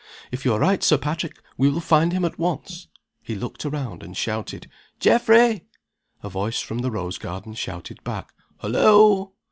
"If you are right, Sir Patrick, we will find him at once." He looked around, and shouted, "Geoffrey!" A voice from the rose garden shouted back, "Hullo!"